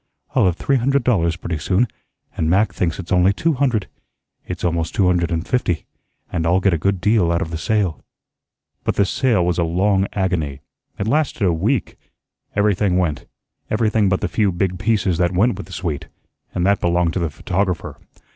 I'll have three hundred dollars pretty soon, and Mac thinks it's only two hundred. It's almost two hundred and fifty; and I'll get a good deal out of the sale." But this sale was a long agony. It lasted a week. Everything went everything but the few big pieces that went with the suite, and that belonged to the photographer.